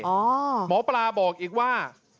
หมอปลาบอกอีกว่า